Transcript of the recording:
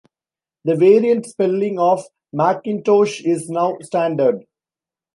The variant spelling of "Mackintosh" is now standard.